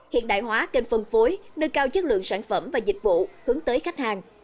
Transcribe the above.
hiện đại hóa kênh phân phối nâng cao chất lượng sản phẩm và dịch vụ hướng tới khách hàng